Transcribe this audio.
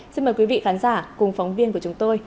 xin mời quý vị khán giả cùng phóng viên của chúng tôi